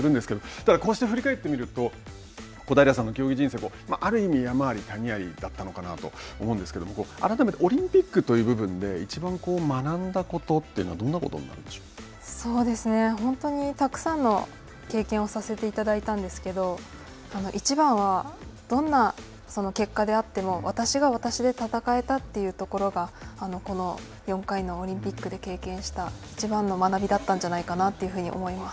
ただこうして振り返ってみると小平さんの競技人生はある意味、山あり谷ありだったのかなと思うんですけども、改めてオリンピックという部分でいちばん学んだことというのは、本当にたくさんの経験をさせていただいたんですけどいちばんは、どんな結果であっても私が私で戦えたというところがこの４回のオリンピックで経験したいちばんの学びだったんじゃないかなというふうに思います。